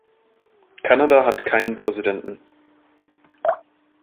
Kanada hat keinen Präsidenten.